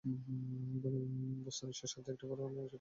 বস্তুনিষ্ঠতার স্বার্থে একটু পরে হলেও সঠিক সংবাদ প্রকাশ করা যেতে পারে।